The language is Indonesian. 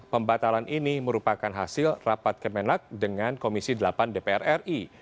pembatalan ini merupakan hasil rapat kemenak dengan komisi delapan dpr ri